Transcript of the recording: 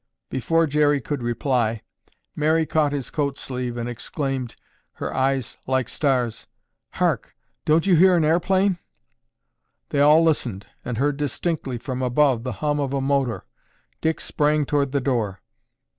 Before Jerry could reply, Mary caught his coat sleeve and exclaimed, her eyes like stars, "Hark, don't you hear an airplane?" They all listened and heard distinctly from above the hum of a motor. Dick sprang toward the door.